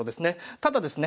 ただですね